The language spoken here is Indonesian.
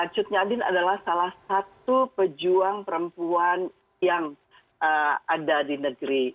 cut nyadin adalah salah satu pejuang perempuan yang ada di negeri